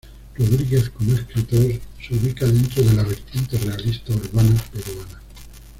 Rodríguez, como escritor, se ubica dentro de la vertiente realista urbana peruana.